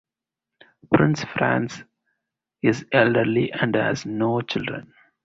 Prince Franz is elderly and has no children.